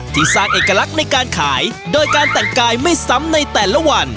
สร้างเอกลักษณ์ในการขายโดยการแต่งกายไม่ซ้ำในแต่ละวัน